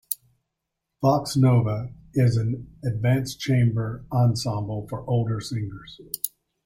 "Vox Nova" is an advanced chamber ensemble for older singers.